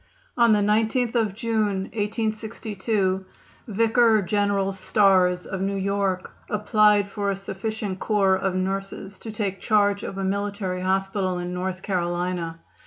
On the 19th of June, 1862, Vicar General Starrs, of New York, applied for a sufficient corps of nurses to take charge of a military hospital in North Carolina.